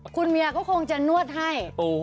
คุณเมียก็คงจะนวดให้